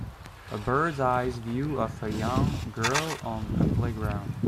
a birds eye view of a young girl on a playground